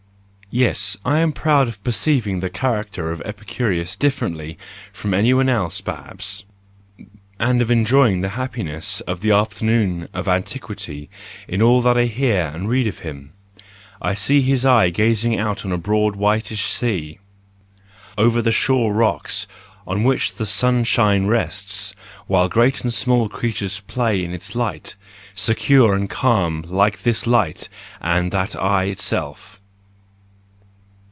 —Yes, I am proud of perceiving the character of Epicurus differently from anyone else 6 82 THE JOYFUL WISDOM, I perhaps, and of enjoying the happiness of the afternoon of antiquity in all that I hear and read of him:—I see his eye gazing out on a broad whitish sea, over the shore rocks on which the sunshine rests, while great and small creatures play in its light, secure and calm like this light and that eye itself.